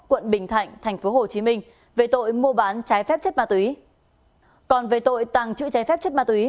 đây là những thông tin về truy nã tội phạm